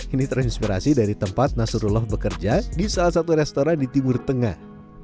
ini terinspirasi dari tempat nasrullah bekerja di salah satu restoran di timur tengah